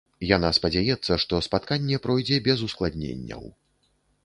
Яна спадзяецца, што спатканне пройдзе без ускладненняў.